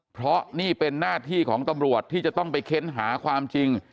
เพราะนี่เป็นหน้าที่ของตำรวจที่จะต้องไปค้นหาความจริง